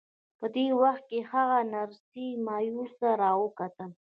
په دې وخت کې هغې نرسې مایوسه را وکتل